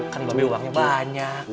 kan mbak be uangnya banyak